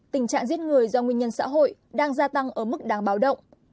tình trạng giết người do nguyên nhân xã hội đang gia tăng ở mức đáng báo động